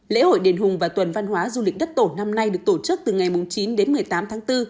lễ hội đền hùng và tuần văn hóa du lịch đất tổ năm nay được tổ chức từ ngày chín đến một mươi tám tháng bốn